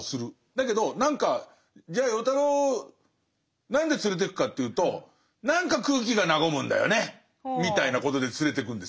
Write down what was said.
だけど何かじゃあ与太郎何で連れてくかというと何か空気が和むんだよねみたいなことで連れてくんですね。